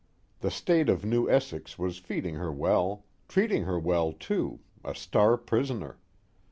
The state of New Essex was feeding her well. Treating her well too a star prisoner.